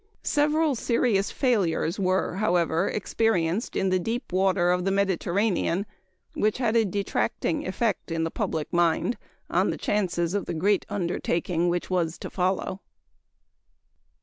Several serious failures were, however, experienced in the deep water of the Mediterranean which had a detracting effect in the public mind on the chances of the great undertaking which was to follow.